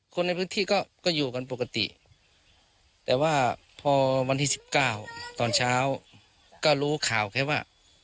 คนในพื้นที่ก็อยู่กันปกติแต่ว่าพอวันที่๑๙ตอนเช้าก็รู้ข่าวแค่ว่า